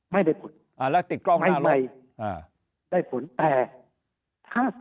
ไม่ได้ผล